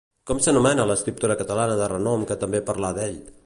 Com s'anomena l'escriptora catalana de renom que també parlà d'ell?